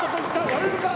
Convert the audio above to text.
割れるか！？